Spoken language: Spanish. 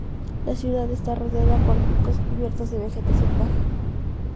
La ciudad está rodeada por picos cubiertos de vegetación baja.